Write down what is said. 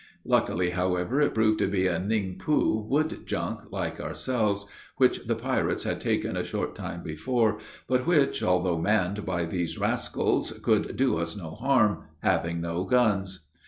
Luckily, however, it proved to be a Ning po wood junk, like ourselves, which the pirates had taken a short time before, but which, although manned by these rascals, could do us no harm, having no guns.